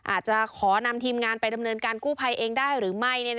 อาจจะขอนำทีมงานไปดำเนินการกู้ภัยเองได้หรือไม่